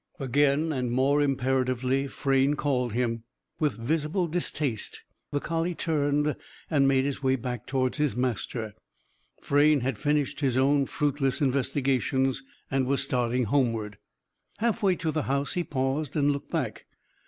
Again, and more imperatively, Frayne called him. With visible distaste, the collie turned and made his way back towards his master. Frayne had finished his own fruitless investigations and was starting homeward. Half way to the house he paused and looked back.